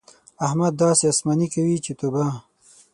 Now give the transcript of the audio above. احمد داسې اسماني کوي چې توبه!